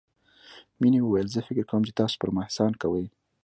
مينې وويل زه فکر کوم چې تاسو پر ما احسان کوئ.